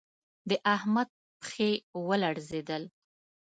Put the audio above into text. د احمد پښې و لړزېدل